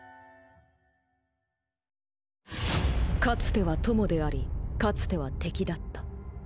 かつては友でありかつては敵だった。